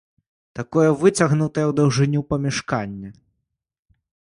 Такое выцягнутае ў даўжыню памяшканне.